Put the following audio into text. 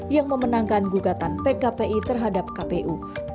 yang memenangkan gugatan pkpi terhadap pemilu dua ribu sembilan belas